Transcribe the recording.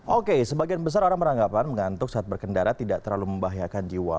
oke sebagian besar orang beranggapan mengantuk saat berkendara tidak terlalu membahayakan jiwa